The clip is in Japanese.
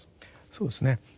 そうですね。